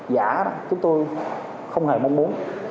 giả chúng tôi không hề mong muốn